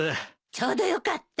ちょうどよかった。